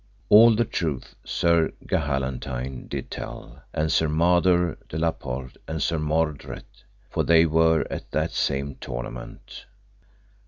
All the truth Sir Gahalantine did tell, and Sir Mador de la Porte and Sir Mordred, for they were at that same tournament.